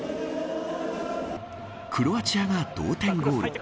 クロアチアが同点ゴール。